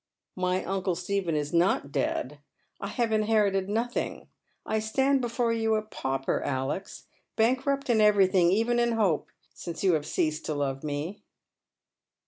" My uncle Stephen is not dead. I have inherited nothing. T stand before you a pauper, Alex, bankrupt in everything ; even in hope, since you have ceased to love me."